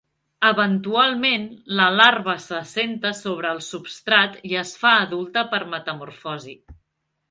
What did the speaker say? Eventualment, la larva s'assenta sobre el substrat i es fa adulta per metamorfosi.